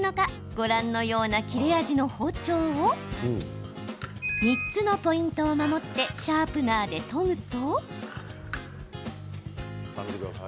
ご覧のような切れ味の包丁を３つのポイントを守ってシャープナーで研ぐと。